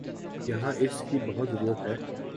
یہاں اس کی بہت ضرورت ہے۔